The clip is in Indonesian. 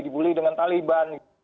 dibully dengan taliban